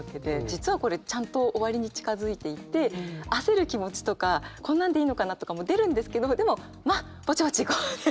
実はこれちゃんと終わりに近づいていて焦る気持ちとかこんなんでいいのかなとかも出るんですけどでも「まあぼちぼち行こう」で。